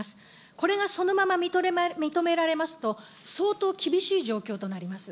これがそのまま認められますと、相当厳しい状況となります。